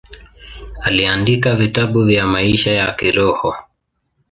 Aliandika vitabu vya maisha ya kiroho.